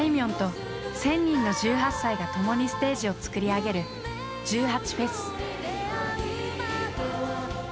んと１，０００人の１８歳が共にステージを作り上げる１８祭。